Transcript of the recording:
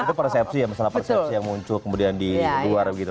itu persepsi ya masalah persepsi yang muncul kemudian di luar begitu